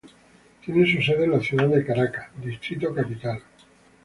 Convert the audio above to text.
Tiene su sede en la ciudad de Caracas, Distrito Capital.